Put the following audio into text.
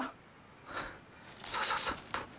ハさささっと。